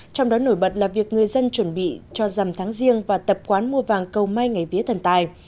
trong đó nổi bật là việc người dân chuẩn bị cho dằm tháng riêng và tập quán mua vàng cầu may ngày vía thần tài